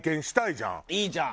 いいじゃん。